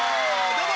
どうも！